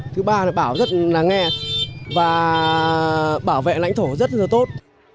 thứ ba là bảo rất là nghe và bảo vệ lãnh thổ rất là tốt